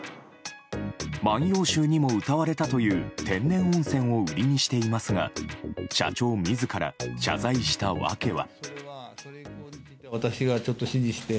万葉集にも歌われたという天然温泉を売りにしていますが社長自ら謝罪した訳は。